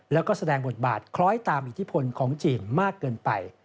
แล้วก็แสดงบทบาทคล้อยตามอิทธิพลของจีนมากเกินไป